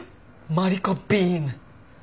マリコビーム！